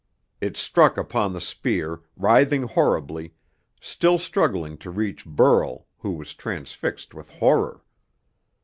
It struck upon the spear, writhing horribly, still struggling to reach Burl, who was transfixed with horror.